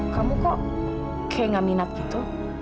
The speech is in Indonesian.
kamu kok kayak gak minat gitu